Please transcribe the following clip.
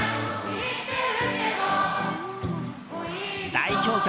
代表曲